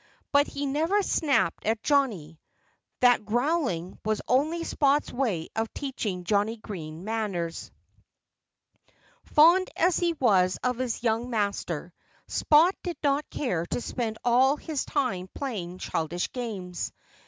But he never snapped at Johnnie. That growling was only Spot's way of teaching Johnnie Green manners. Fond as he was of his young master, Spot did not care to spend all his time playing childish games.